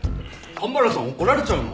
蒲原さん怒られちゃうの？